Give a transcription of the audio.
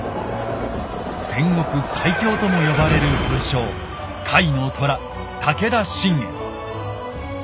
戦国最強とも呼ばれる武将甲斐の虎武田信玄。